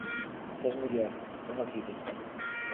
Tes muller, unha filla.